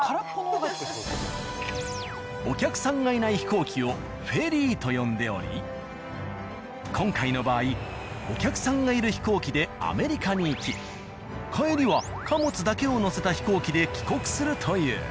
お客さんがいない飛行機を「フェリー」と呼んでおり今回の場合お客さんがいる飛行機でアメリカに行き帰りは貨物だけを載せた飛行機で帰国するという。